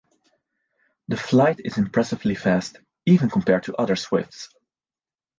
The flight is impressively fast, even compared to other swifts.